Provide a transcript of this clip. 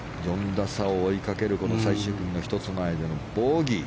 ４打差を追いかける最終組の１つ前でボギー。